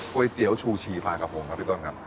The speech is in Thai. เตี๋ยวชูชีปลากระพงครับพี่ต้นครับ